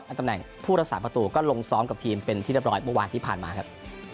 ตำแหน่งผู้รักษาประตูก็ลงซ้อมกับทีมเป็นที่เรียบร้อยเมื่อวานที่ผ่านมาครับ